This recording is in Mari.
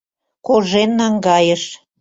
Кожен наҥгайыш.